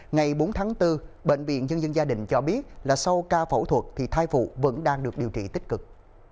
ngày bốn tháng bốn bệnh viện dân dân gia đình cho biết là sau ca phẫu thuật thì thai phụ vẫn đang được điều trị tích cực